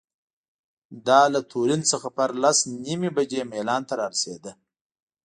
دا له تورین څخه پر لس نیمې بجې میلان ته رارسېده.